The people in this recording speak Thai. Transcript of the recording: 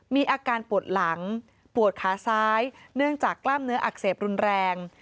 มีอาการปวดหลังปวดขาซ้ายเนื่องจากกล้ามเนื้ออักเสบรุนแรง